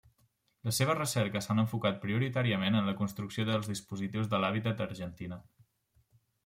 Les seves recerques s'han enfocat prioritàriament en la construcció dels dispositius de l'hàbitat a Argentina.